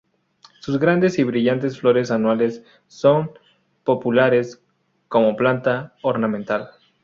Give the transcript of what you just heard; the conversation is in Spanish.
Sus grandes y brillantes flores anuales son populares como planta ornamental.